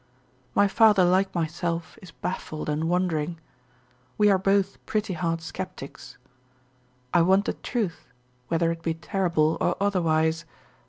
My father like myself is baffled and wondering. We are both pretty hard skeptics. I want the truth, whether it be terrible or otherwise.